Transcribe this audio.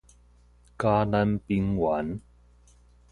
嘉南平原